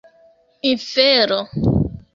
infero